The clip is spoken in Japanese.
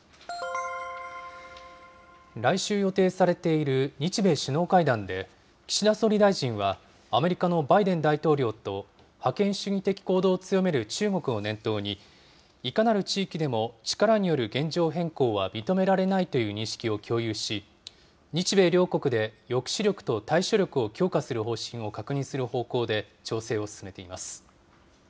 来週予定されている日米首脳会談で、岸田総理大臣は、アメリカのバイデン大統領と覇権主義的行動を強める中国を念頭に、いかなる地域でも力による現状変更は認められないという認識を共有し、日米両国で抑止力と対処力を強化する方針を確認する方向で調整を進めています。